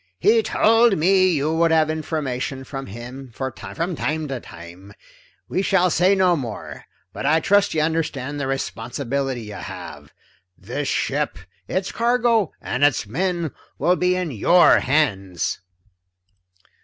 "He told me you would have information from him for me, from time to time. We shall say no more, but I trust you understand the responsibility you have? This ship, its cargo, and its men will be in your hands."